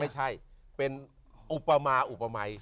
ไม่ใช่เป็นอุปมาอุปมัย